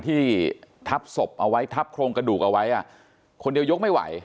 ที่ทับศพเอาไว้ทับโครงกระดูกเอาไว้อ่ะคนเดียวยกไม่ไหว